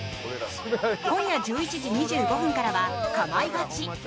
今夜１１時２５分からは「かまいガチ」。